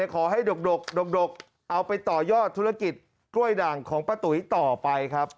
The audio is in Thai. ขอให้ดกเอาไปต่อยอดธุรกิจกล้วยด่างของป้าตุ๋ยต่อไปครับ